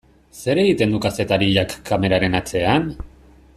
Zer egiten du kazetariak kameraren atzean?